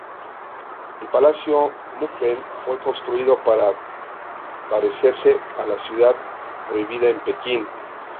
El Palacio Mukden fue construido para parecerse a la Ciudad Prohibida en Pekín.